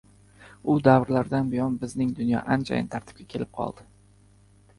U davrlardan buyon bizning dunyo anchayin tartibga kelib qoldi.